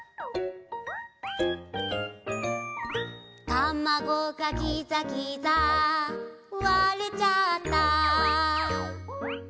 「たまごがギザギザ割れちゃった」